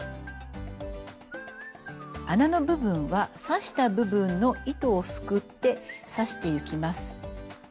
穴の部分は刺した部分の糸をすくって刺していきます。